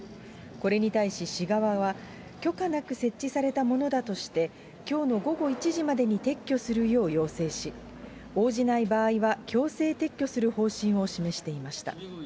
これに対し市側は、許可なく設置されたものだとして、きょうの午後１時までに撤去するよう要請し、応じない場合は強制撤去する方針を示していました。